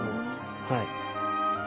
はい。